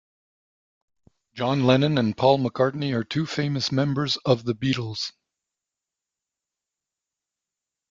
John Lennon and Paul McCartney are two famous members of the Beatles.